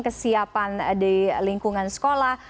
kesiapan di lingkungan sekolah